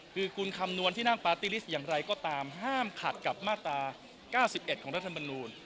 คือคุณคำนวณที่นั่งปาร์ตี้ลิสต์อย่างไรก็ตามห้ามขัดกับมาตรา๙๑ของรัฐมนูล